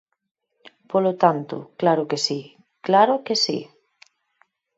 Polo tanto, claro que si, ¡claro que si!